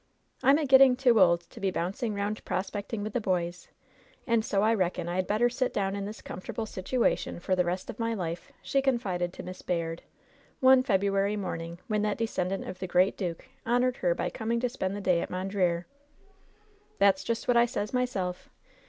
^Tm a getting too old to be bouncing round prospect ing with the boys, and so I reckon I had better sit down in this comfortable sitiwation for the rest of my life,'* she confided to Miss Bayard, one February morning, when that descendant of the great duke honored her by coming to spend the day at Mondreer. "That's just what I sez myself.